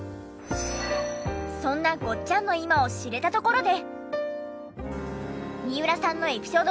そんなごっちゃんの今を知れたところで。